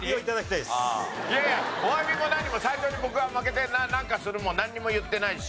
いやいやお詫びも何も最初に僕が負けてなんかするもなんにも言ってないし。